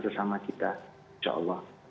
sesama kita insyaallah